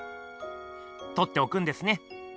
とっておくんですね？